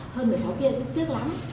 hơn một mươi sáu kia rất tiếc lắm